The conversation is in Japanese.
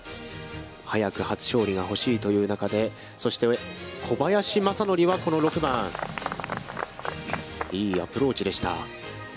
早く初勝利が欲しいという中で、そして、小林正則はこの６番、いいアプローチでした。